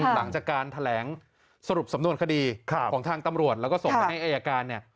หลังจากการแถลงสรุปสำนวนคดีของทางตำรวจแล้วก็ส่งไปให้อายการเนี่ย